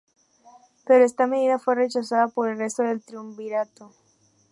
Pero esta medida fue rechazada por el resto del Triunvirato.